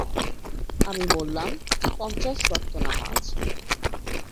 আমি বললাম, পঞ্চাশ ওয়াক্ত নামাজ।